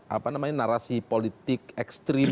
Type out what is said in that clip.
apa namanya narasi politik ekstrim